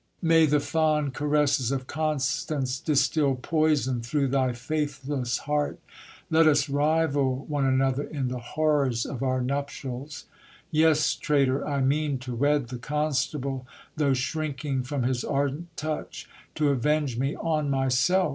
May the fond caresses of Constance distil poison through thy faithless heart ! Let us rival one another in the horrors of our nuptials ! Yes, traitor, I mean to wed the constable, though shrinking from his ardent touch, to avenge me on myself